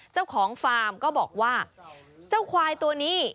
เจ้าของฟาร์มก็บอกว่าเจ้าควายตัวนี้